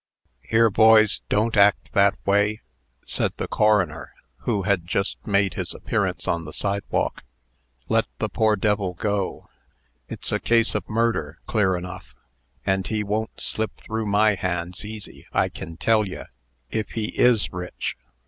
"Here, boys, don't act that way," said the coroner, who had just made his appearance on the sidewalk. "Let the poor devil go. It's a case of murder, clear, enough; and he won't slip through my hands easy, I can tell ye, if he is rich."